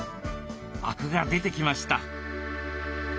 アクが出てきました。